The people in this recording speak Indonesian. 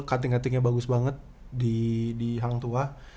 cutting cuttingnya bagus banget di hantuah